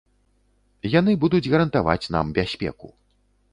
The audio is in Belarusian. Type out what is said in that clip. Яны будуць гарантаваць нам бяспеку.